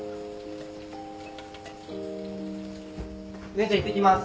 姉ちゃんいってきます。